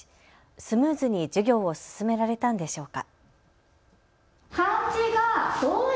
スムーズに授業を進められたんでしょうか。